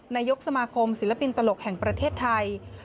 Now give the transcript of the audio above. นายกสมาคมศิลปินตลกแห่งประเทศไทย